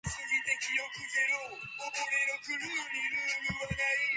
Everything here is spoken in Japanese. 巻き込む。